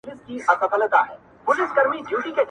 زموږ له ژونده سره کار دی، موږ مرگ نه غواړو هیچا ته,